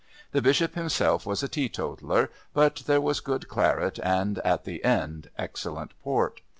The Bishop himself was a teetotaler, but there was good claret and, at the end, excellent port.